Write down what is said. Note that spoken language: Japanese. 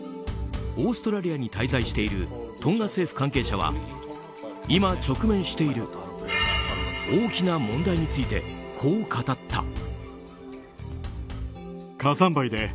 オーストラリアに滞在しているトンガ政府関係者は今、直面している大きな問題についてこう語った。